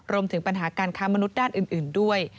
รวมถึงปัญหาการค้ามนุษย์ด้านอื่นด้วย